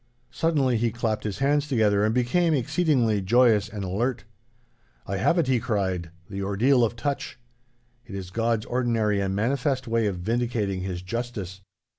Suddenly he clapped his hands together and became exceedingly joyous and alert. 'I have it,' he cried, 'the ordeal of touch. It is God's ordinary and manifest way of vindicating His justice.